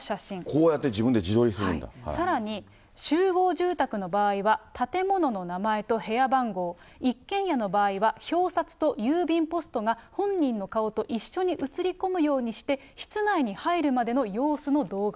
こうやって自分で自撮りするさらに、集合住宅の場合は、建物の名前と部屋番号、一軒家の場合は表札と郵便ポストが本人の顔と一緒に写り込むようにして、室内に入るまでの様子の動画。